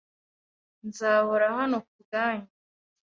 Nzahora hano kubwanyu.